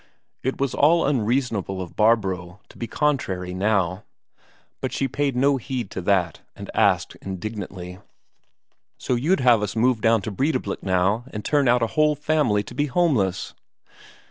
It was all unreasonable of Barbro to be contrary now; but she paid no heed to that, and asked indignantly: "So you'd have us move down to Breidablik now, and turn out a whole family to be homeless?"